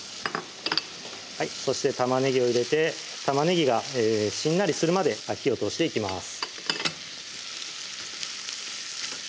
そして玉ねぎを入れて玉ねぎがしんなりするまで火を通していきます